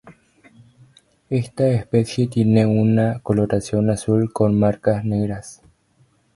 Esta especie tiene una coloración azul con marcas negras.